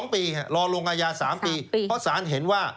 ๒ปีรอลงอาญา๓ปีเพราะสารเห็นว่า